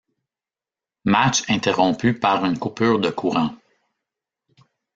Match interrompu par une coupure de courant.